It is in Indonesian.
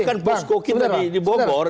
bahkan pas kok kita dibobor